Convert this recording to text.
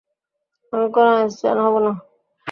আমি কোনো আইনস্টাইন না।